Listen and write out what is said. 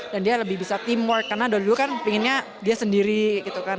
dan dia lebih bisa teamwork karena dulu kan pinginnya dia sendiri gitu kan